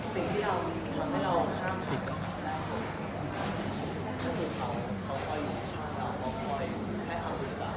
คืออันนั้นเป็นนานที่สูทน์ความรักของเราสองคน